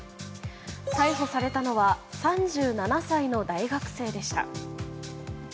逮捕されたのは３７歳の大学生でした。